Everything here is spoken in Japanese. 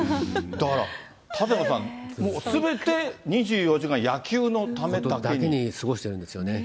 だから、舘野さん、もうすべて、２４時間、だけに過ごしてるんですよね。